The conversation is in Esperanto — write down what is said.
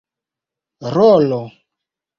rolo